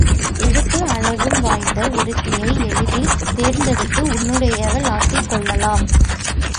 எடுப்பும் அழகும் வாய்ந்த ஒருத்தியை எளிதில் தேர்ந்தெடுத்து உன்னுடையவள் ஆக்கிக் கொள்ளலாம்.